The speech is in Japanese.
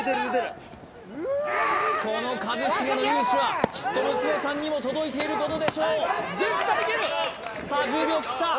この一茂の雄姿はきっと娘さんにも届いていることでしょうさあ１０秒切った！